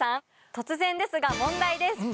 突然ですが問題です。